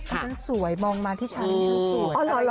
ชันสวยมองมาที่ชั้นชันสวย